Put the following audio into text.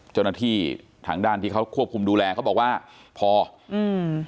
เจ้าหน้าที่ทางด้านที่เขาควบคุมดูแลเขาบอกว่าพออืม